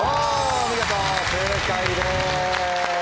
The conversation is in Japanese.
おお見事正解です。